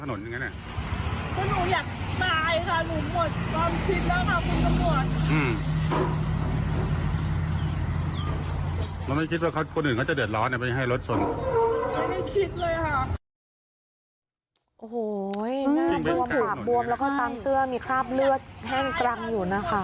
โอ้โหหน้าบวมปากบวมแล้วก็ตามเสื้อมีคราบเลือดแห้งกรังอยู่นะคะ